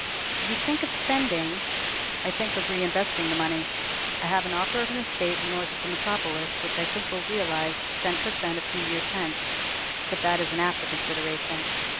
"You think of spending——" "I think of reinvesting the money. I have an offer of an estate north of the metropolis, which I think will realize cent per cent a few years hence: but that is an after consideration.